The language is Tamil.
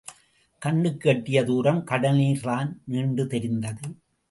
கண்ணுக்கு எட்டிய துாரம் கடல் நீர் தான் நீண்டு தெரிந்தது.